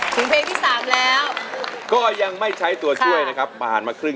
ถึงเพลงที่๓แล้วก็ยังไม่ใช้ตัวช่วยนะครับผ่านมาครึ่ง